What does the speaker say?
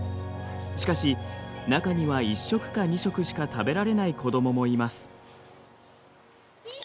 しかし中には１食か２食しか食べられない子どももいます。